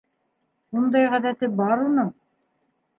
Ундай ғәҙәте бар уның.